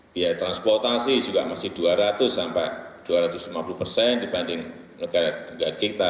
biaya transportasi juga masih dua ratus sampai dua ratus lima puluh persen dibanding negara kita